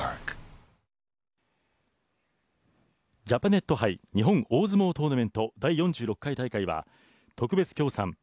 ジャパネット杯日本大相撲トーナメント第４６回大会は特別協賛